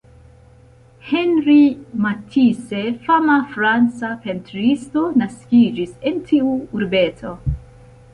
Henri Matisse, fama franca pentristo, naskiĝis en tiu urbeto.